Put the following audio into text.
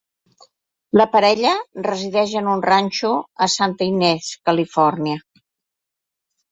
La parella resideix en un ranxo a Santa Ynez, Califòrnia.